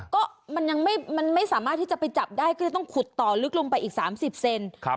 ก็มันยังไม่สามารถที่จะไปจับได้ก็เลยต้องขุดต่อลึกลงไปอีก๓๐เซน